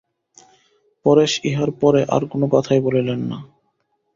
পরেশ ইহার পরে আর কোনো কথাই বলিলেন না।